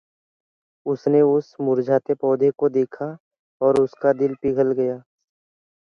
An individual female can house hundreds of these males in her tube.